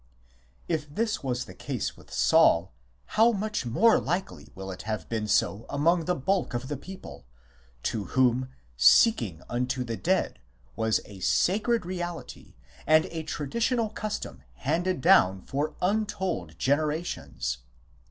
If this was the case with Saul, how much more likely will it have been so among the bulk of the people, to whom " seeking unto the dead " was a sacred reality and a traditional custom handed down for untold generations